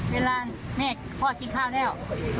เวลาพ่อกินข้าวแล้ว